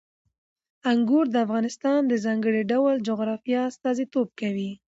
انګور د افغانستان د ځانګړي ډول جغرافیه استازیتوب کوي.